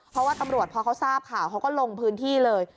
เพราะว่าตำรวจพอเขาทราบข่าวเขาก็ลงพื้นที่เลย